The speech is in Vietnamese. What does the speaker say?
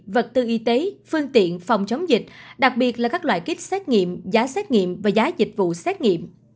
vật tư y tế phương tiện phòng chống dịch đặc biệt là các loại kích xét nghiệm giá xét nghiệm và giá dịch vụ xét nghiệm